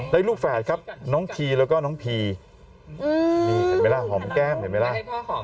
ได้ลูกแฝดครับน้องพีแล้วก็น้องพีอืมนี่เห็นไหมล่ะ